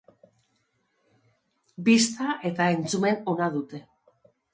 Bista eta entzumen ona dute.